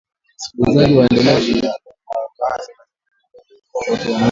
Wasikilizaji waendelea kushiriki moja kwa moja hasa katika matangazo yetu ya sauti ya Amerika